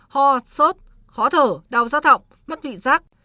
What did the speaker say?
ho sốt khó thở đau giác thọc mất vị giác